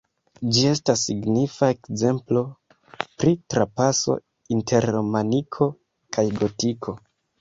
Ĝi estas signifa ekzemplo pri trapaso inter romaniko kaj gotiko.